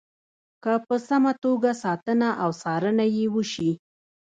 که په سمه توګه ساتنه او څارنه یې وشي.